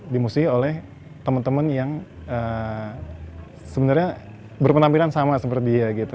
dimusuhi oleh teman teman yang sebenarnya berpenampilan sama seperti dia gitu